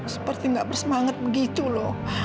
seperti nggak bersemangat begitu loh